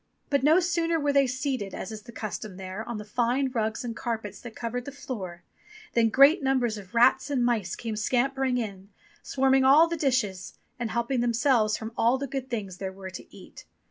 But no sooner were they seated, as is the custom there, on the fine rugs and carpets that covered the floor, than great numbers of rats and mice came scampering in, swarming over all the dishes, and helping themselves from all the good things there were to eat.